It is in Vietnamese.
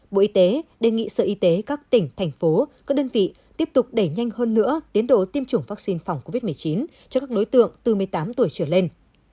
bộ y tế đề nghị sở y tế các tỉnh thành phố các đơn vị tiếp tục đẩy nhanh hơn nữa tiến độ tiêm chủng vaccine phòng covid một mươi chín cho các đối tượng từ một mươi tám tuổi trở lên